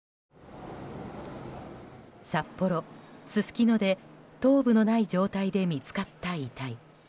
札幌・すすきので頭部のない状態で見つかった遺体。